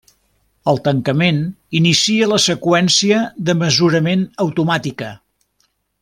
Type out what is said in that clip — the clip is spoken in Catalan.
El tancament inicia la seqüència de mesurament automàtica.